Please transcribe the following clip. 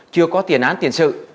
chưa có tiền án tiền sự